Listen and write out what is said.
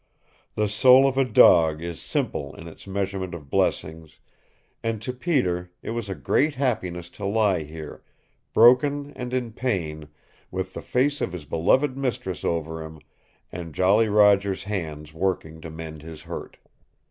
The soul of a dog is simple in its measurement of blessings, and to Peter it was a great happiness to lie here, broken and in pain, with the face of his beloved mistress over him and Jolly Roger's hands working to mend his hurt.